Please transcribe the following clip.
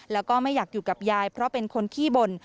แล้วก็ไม่อยากอยู่กับยายเพราะเป็นคนขี้บ่น